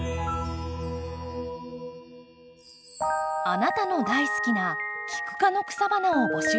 あなたの大好きなキク科の草花を募集します。